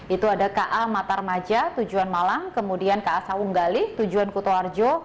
itu ada ka matarmaja tujuan malang kemudian ka saunggali tujuan kutoarjo